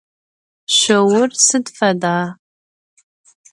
Şsour sıd feda?